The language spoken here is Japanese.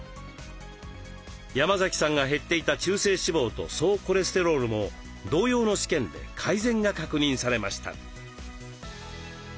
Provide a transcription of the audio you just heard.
山崎さんが減っていた中性脂肪と総コレステロールも同様の試験で改善が確認されました。